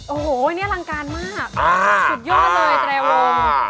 โอ้โหอันนี้อลังการมากสุดยอดเลยแต่วงอ่าอ่า